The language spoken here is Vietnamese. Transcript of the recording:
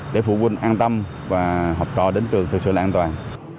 để phụ huynh an tâm và học trò đến trường thực sự an toàn